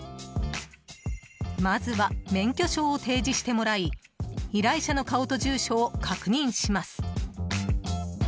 まずは、免許証を提示してもらい依頼者の顔と住所を確認します。